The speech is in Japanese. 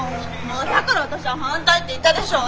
だから私は反対って言ったでしょう！